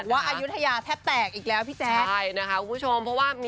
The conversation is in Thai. นะคะคุณผู้ชม